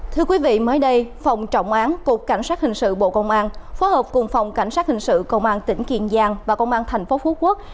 thưa quý vị mới đây phòng trọng án cục cảnh sát hình sự bộ công an phối hợp cùng phòng cảnh sát hình sự công an tỉnh kiên giang và công an thành phố phú quốc